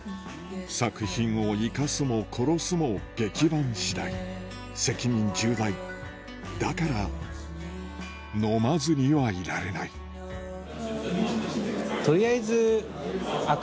作品を生かすも殺すも劇伴次第責任重大だから飲まずにはいられない取りあえず。